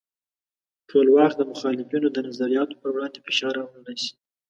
ټولواک د مخالفینو د نظریاتو پر وړاندې فشار راوړلی شي.